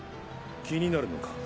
気になるのか？